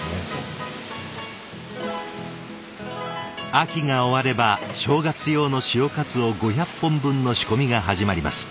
秋が終われば正月用の潮かつお５００本分の仕込みが始まります。